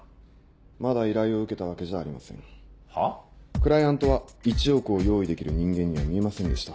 クライアントは１億を用意できる人間には見えませんでした。